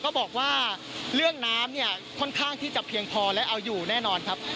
ก็บอกว่าเรื่องน้ำเนี่ยค่อนข้างที่จะเพียงพอและเอาอยู่แน่นอนครับ